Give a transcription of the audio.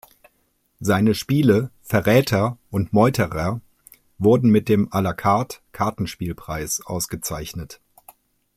Seine Spiele Verräter und Meuterer wurden mit dem À-la-carte-Kartenspielpreis ausgezeichnet.